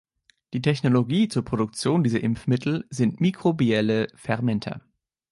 Die Technologie zur Produktion dieser Impfmittel sind mikrobielle Fermenter.